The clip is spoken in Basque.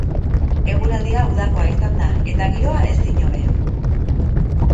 Eguraldia udakoa izan da, eta giroa, ezinhobea.